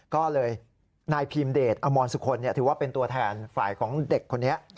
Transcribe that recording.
ก็เลยนายพีมเดชอมรสุคลถือว่าเป็นตัวแทนฝ่ายของเด็กคนนี้